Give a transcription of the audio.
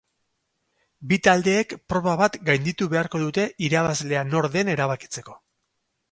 Bi taldeek proba bat gainditu beharko dute irabazlea nor den erabakitzeko.